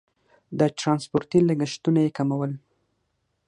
د ټرانسپورتي لګښتونه یې کمول.